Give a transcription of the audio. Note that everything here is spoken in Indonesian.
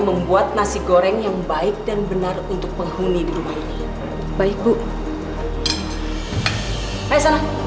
membuat nasi goreng yang baik dan benar untuk penghuni di rumah ini baik bu hai salah